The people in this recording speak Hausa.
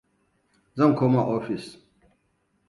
Zan koma ofis.